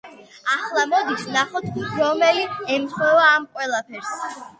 ახლა, მოდით, ვნახოთ რომელი ემთხვევა ამ ყველაფერს.